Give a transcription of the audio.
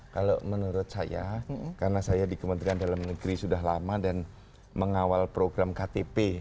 kalau menurut saya karena saya di kementerian dalam negeri sudah lama dan mengawal program ktp